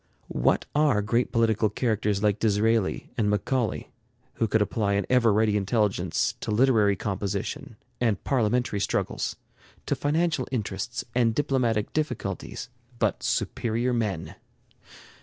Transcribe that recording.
What are great political characters like Disraeli and Macaulay, who could apply an ever ready intelligence to literary composition and parliamentary struggles, to financial interests and diplomatic difficulties, but superior men?